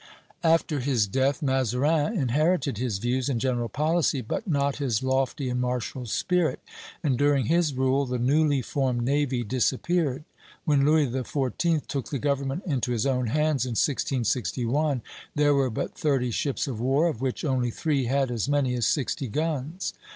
After his death, Mazarin inherited his views and general policy, but not his lofty and martial spirit, and during his rule the newly formed navy disappeared. When Louis XIV. took the government into his own hands, in 1661, there were but thirty ships of war, of which only three had as many as sixty guns.